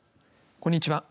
こんにちは。